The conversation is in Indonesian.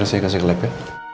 biar saya kasih ke lepe